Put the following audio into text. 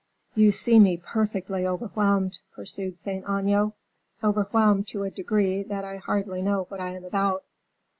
"You see me perfectly overwhelmed," pursued Saint Aignan, "overwhelmed to a degree that I hardly know what I am about."